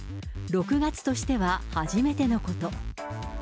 ６月としては初めてのこと。